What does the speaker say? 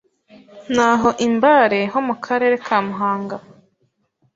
Naho i Mbare, ho mu karere ka Muhanga,